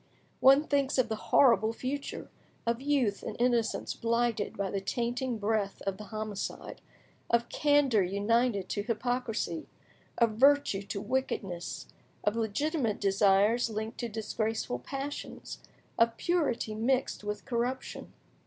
One thinks of the horrible future; of youth and innocence blighted by the tainting breath of the homicide; of candour united to hypocrisy; of virtue to wickedness; of legitimate desires linked to disgraceful passions; of purity mixed with corruption.